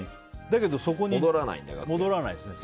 だけどそこに戻らないんですね。